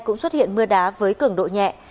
cũng xuất hiện mưa đá với cường độ nhẹ